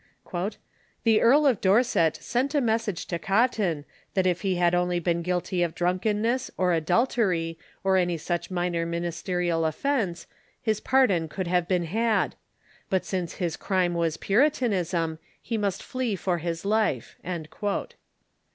"The Earl of Dorset sent a message to Cotton, that if he had only been guilty of drunkenness, or adulter}^, or any such minor ministerial offence, his pardon could have been had ; but since his crime was Puritanism, he must flee for his life."